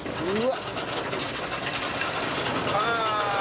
うわ！